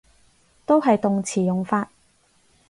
都係動詞用法